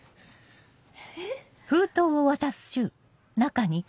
えっ？